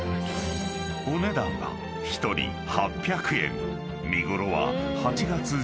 ［お値段は１人８００円］